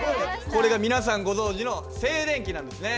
これが皆さんご存じの静電気なんですね。